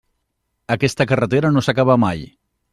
Aquesta carretera no s'acaba mai.